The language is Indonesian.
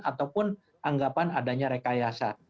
ataupun anggapan adanya rekayasa